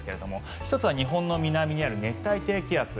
１つは南にある熱帯低気圧